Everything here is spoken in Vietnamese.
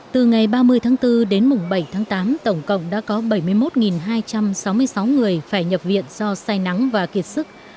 từ ngày ba mươi tháng bốn đến mùng bảy tháng tám tổng cộng đã có bảy mươi một hai trăm sáu mươi sáu người phải nhập viện do sai nắng và kiệt sức